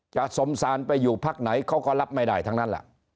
สมสารไปอยู่พักไหนเขาก็รับไม่ได้ทั้งนั้นล่ะ